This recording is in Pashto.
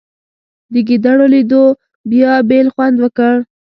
د ګېډړو لیدو بیا بېل خوند وکړ.